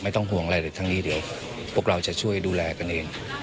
ไม่ต้องห่วงอะไรเลยทั้งนี้เดี๋ยวพวกเราจะช่วยดูแลกันเอง